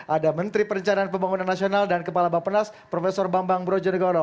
ada menteri perencanaan pembangunan nasional dan kepala bapenas prof bambang brojonegoro